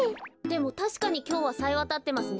でもたしかにきょうはさえわたってますね。